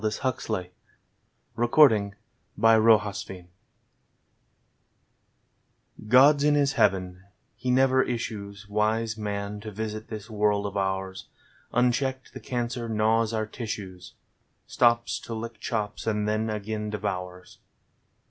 3 4 Leda V NINTH PHILOSOPHER'S SONG G OD'S in His Heaven : He never issues (Wise Man !) to visit this world of ours. I nchccked the cancer gnaws our tissues. Stops to lick cliops and then again devours.